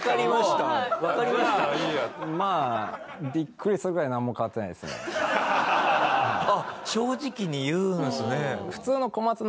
まああっ正直に言うんですね。